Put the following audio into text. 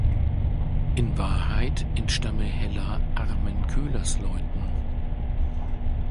In Wahrheit entstamme Hella armen Köhlersleuten.